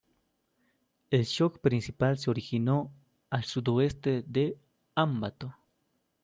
El shock principal se originó al sudeste de Ambato.